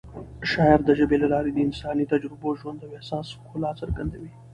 شاعري د ژبې له لارې د انساني تجربو، ژوند او احساس ښکلا څرګندوي.